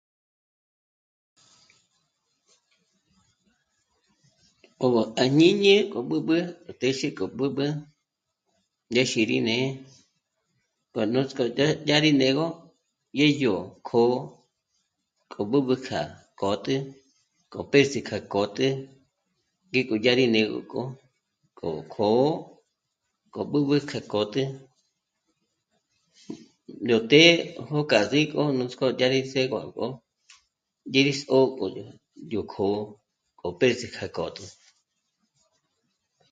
Kjó à jñǐñi kjó b'ǘb'ü ndé xí kjó b'ǘb'ü ndé xí rí né'e pá nútsko yá yá rí në́go yé yó kjǒ'o kjó b'ǘb'ü kjá kjǒte kó p'ési kjá kjǒte ngéko yá rí něgo kjǒ'o kjó kjǒ'o kjó b'ǘb'ü kjá kjǒte yó té'e jóka zíko nútsko yá rí ts'égo ngṓ'ō yězo kjó yé yó kjǒ'o kjó p'ési kjá kjǒte